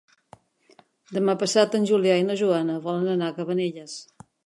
Demà passat en Julià i na Joana volen anar a Cabanelles.